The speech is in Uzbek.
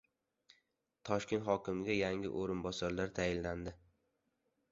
Toshkent hokimiga yangi o‘rinbosarlar tayinlandi